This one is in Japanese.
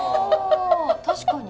確かに。